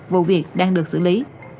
vụ việc đang được xử lý